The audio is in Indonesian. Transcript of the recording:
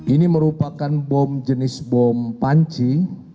ini merupakan bom jenis bom panci